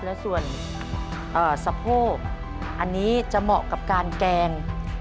และส่วนสะโพกอันนี้จะเหมาะกับการแกง